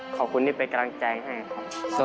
ขอบคุณที่เป็นกำลังใจให้ครับ